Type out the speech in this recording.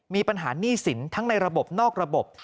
มีปัญหาหนี้สินทั้งในระบบนอกระบบ